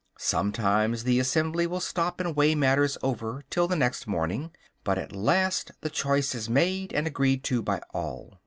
Sometimes the assembly will stop and weigh matters over till the next morning; but at last the choice is made and agreed to by all.